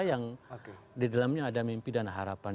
yang didalamnya ada mimpi dan harapan